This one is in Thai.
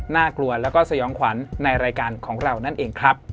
น่ากลัวแล้วก็สยองขวัญในรายการของเรานั่นเองครับ